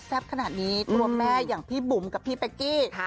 ขนาดนี้ตัวแม่อย่างพี่บุ๋มกับพี่เป๊กกี้